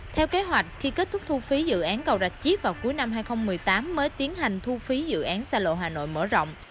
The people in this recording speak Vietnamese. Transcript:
theo kế hoạch khi kết thúc thu phí dự án cầu rạch chiếc vào cuối năm hai nghìn một mươi tám mới tiến hành thu phí dự án xa lộ hà nội mở rộng